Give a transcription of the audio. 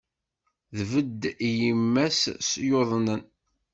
Tbedd i yemma-s yuḍnen.